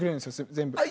全部。